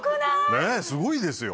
ねえすごいですよ